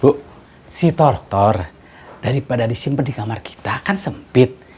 bu si tortor daripada disimpan di kamar kita kan sempit